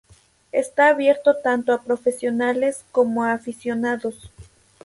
Está abierto tanto a profesionales como a aficionados.